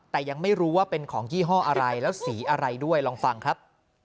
แต่ยังไม่รู้ว่าเป็นของยี่ห้ออะไรแล้วสีอะไรด้วยลองฟังครับ